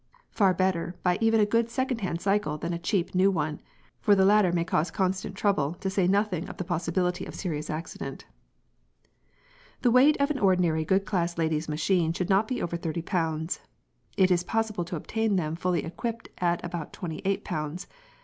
Far better buy even a good second hand cycle than a "cheap" new one, for the latter may cause constant trouble, to say nothing of the possibility of serious accident. The weight of an ordinary good class ladies' machine should not be over 30 lbs. It is possible to obtain them fully equipped at about 28 lbs.